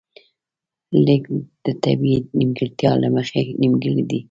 ليک د طبیعي نیمګړتیا له مخې نیمګړی دی